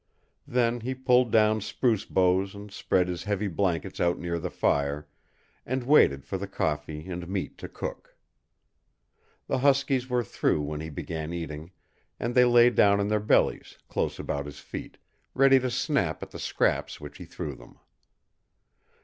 Then he pulled down spruce boughs and spread his heavy blankets out near the fire, and waited for the coffee and meat to cook. The huskies were through when he began eating, and they lay on their bellies, close about his feet, ready to snap at the scraps which he threw them.